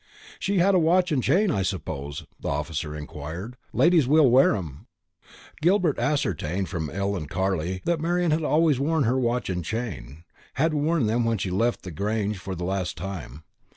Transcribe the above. "She had a watch and chain, I suppose?" the officer inquired. "Ladies will wear 'em." Gilbert ascertained from Ellen Carley that Marian had always worn her watch and chain, had worn them when she left the Grange for the last time.